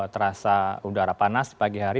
terasa udara panas di pagi hari